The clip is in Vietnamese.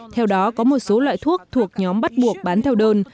theo đó có một số loại thuốc thuộc nhóm bắt buộc bán theo đơn